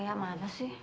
ayah mana sih